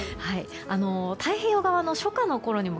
太平洋側の初夏のころにも